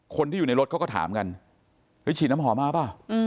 คนที่อยู่ในรถเขาก็ถามกันไปฉีดน้ำหอมมาเปล่า